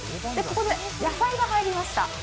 ここで野菜が入りました。